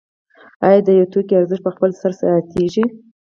آیا د یو توکي ارزښت په خپل سر زیاتېږي